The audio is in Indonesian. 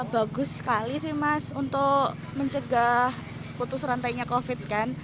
bagus sekali sih mas untuk mencegah putus rantainya covid kan